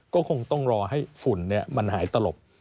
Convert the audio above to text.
ก็คงต้องรอให้ฝุ่นมันหายตลบ